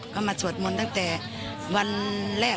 ก็มาสวดมนต์ตั้งแต่วันแรก